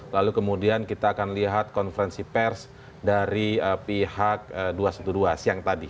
lalu kemudian kita akan lihat konferensi pers dari pihak dua ratus dua belas siang tadi